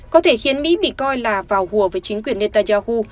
có thể khiến mỹ bị coi là vào hùa với chính quyền netanyahu